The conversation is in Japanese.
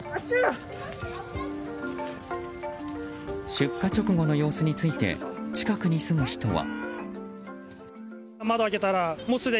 出火直後の様子について近くに住む人は。